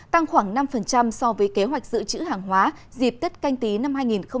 tăng khoảng năm so với kế hoạch giữ chữ hàng hóa dịp tết canh tí năm hai nghìn hai mươi